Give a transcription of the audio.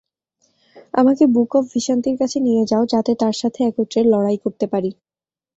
আমাকে book of ভিশান্তির কাছে নিয়ে যাও যাতে তার সাথে একত্রে লড়াই করতে পারি।